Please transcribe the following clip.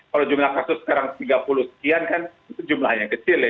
kalau jumlah kasus sekarang tiga puluh sekian kan itu jumlahnya kecil ya